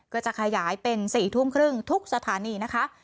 ก็จะขยายเป็น๔๓๐ทุกสถานีนะคะ